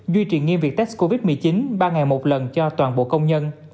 duy trì nghiêm việc test covid một mươi chín ba ngày một lần cho toàn bộ công nhân